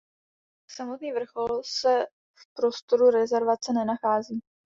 Samotný vrchol se v prostoru rezervace nenachází.